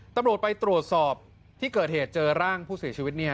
ตำรวจไปตรวจสอบที่เกิดเหตุเจอร่างผู้เสียชีวิต